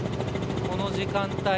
この時間帯